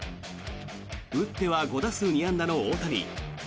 打っては５打数２安打の大谷。